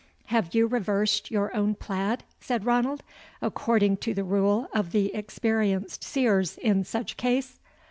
] "Have you reversed your own plaid," said Ranald, "according to the rule of the experienced Seers in such case?"